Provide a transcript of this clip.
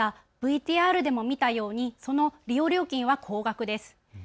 ただＶＴＲでも見たようにその利用料金は高額です。